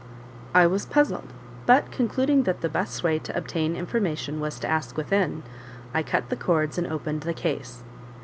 I was puzzled, but concluding that the best way to obtain information was to ask within, I cut the cords and opened the case.